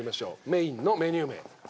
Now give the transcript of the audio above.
メインのメニュー名。